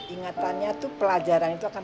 ingatannya tuh pelajaran itu akan